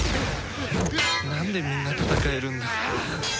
なんでみんな戦えるんだ。